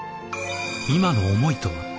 今の思いとは？